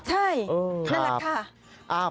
ใช่น่ารักค่ะ